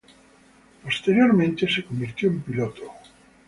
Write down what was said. Posteriormente se convirtió en piloto.